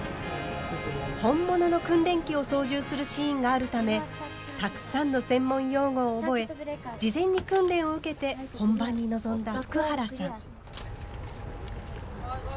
本物の訓練機を操縦するシーンがあるためたくさんの専門用語を覚え事前に訓練を受けて本番に臨んだ福原さん。